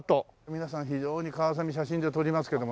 皆さん非常にカワセミ写真で撮りますけどもね。